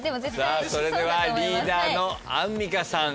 それではリーダーのアンミカさん